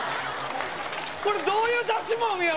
これどういう出しもん！？